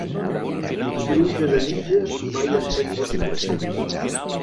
Truges a mitges mai han fet bons porcells.